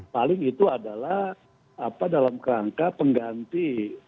paling itu adalah dalam kerangka pengganti